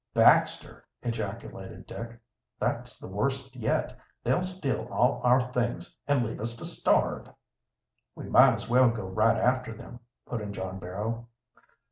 "Baxter!" ejaculated Dick. "That's the worst yet. They'll steal all our things and leave us to starve!" "We might as well go right after them," put in John Barrow.